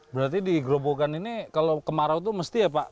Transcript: berarti di grobogan ini kalau kemarau itu mesti ya pak